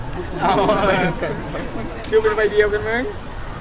คิดว่าไม่เที่ยวกันมั้ง